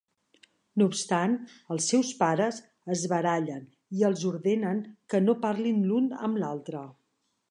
No obstant, els seus pares es barallen i els ordenen que no parlin l'un amb l'altre.